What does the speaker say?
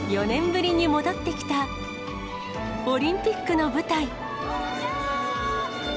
４年ぶりに戻ってきた、オリンピックの舞台。